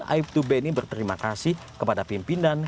aibtu beni berterima kasih kepada pimpinan